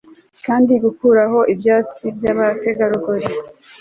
Kandi gukuraho ibyatsi byabategarugori